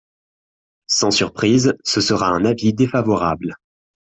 Sans surprise, ce sera un avis défavorable.